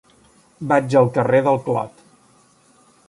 Vaig al carrer del Clot.